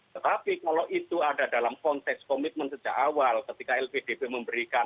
tetapi kalau itu ada dalam konteks komitmen sejak awal ketika lpdp memberikan